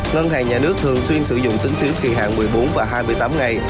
ngân hàng nhà nước thường xuyên sử dụng tính phiếu kỳ hạn một mươi bốn và hai mươi tám ngày